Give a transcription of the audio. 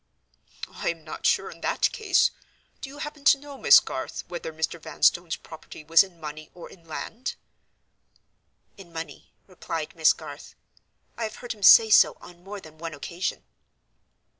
"I am not sure in that case. Do you happen to know, Miss Garth, whether Mr. Vanstone's property was in money or in land?" "In money," replied Miss Garth. "I have heard him say so on more than one occasion."